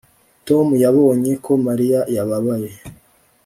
Tom yabonye ko Mariya yababaye